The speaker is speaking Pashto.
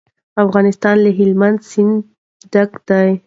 افغانستان له هلمند سیند ډک دی.